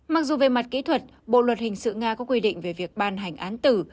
mặc dù về mặt kỹ thuật bộ luật hình sự nga có quy định về việc ban hành án tử